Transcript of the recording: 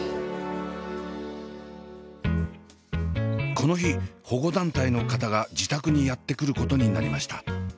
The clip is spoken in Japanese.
この日保護団体の方が自宅にやって来ることになりました。